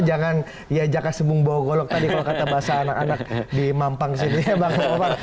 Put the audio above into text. jangan diajak ajak sembung bawah golong tadi kalau kata bahasa anak anak di mampang sini ya bang omar